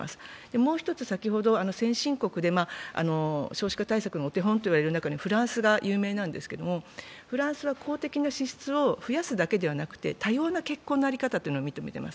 もう１つ先ほど先進国で少子化対策のお手本としてフランスが有名なんですけれども、フランスは公的な支出を増やすだけではなくて、多様な結婚の在り方というのを認めています。